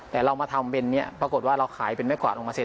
แต่เรามาทำเป็นนี้ปรากฏว่าเราขายเป็นแม่กวาดออกมาเสร็จ